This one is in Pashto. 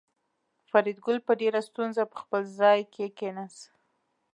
فریدګل په ډېره ستونزه په خپل ځای کې کېناست